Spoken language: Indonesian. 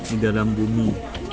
ini dalam bumi